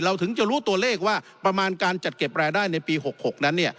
ถึงจะรู้ตัวเลขว่าประมาณการจัดเก็บรายได้ในปี๖๖นั้น